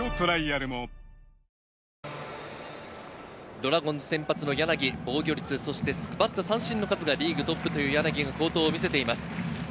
ドラゴンズ先発の柳、防御率、奪った三振の数がリーグトップという柳が好投を見せています。